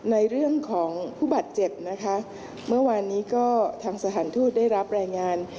ในเรื่องของผู้บาดเจ็บนะคะเมื่อวานนี้ก็ทางสถานทูตได้รับรายงาน